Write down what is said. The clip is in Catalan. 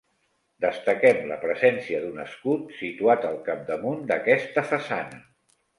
Destaquem la presència d'un escut situat al capdamunt d'aquesta façana.